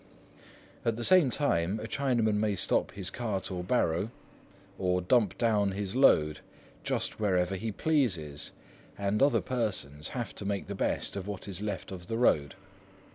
At the same time a Chinaman may stop his cart or barrow, or dump down his load, just where ever he pleases, and other persons have to make the best of what is left of the road.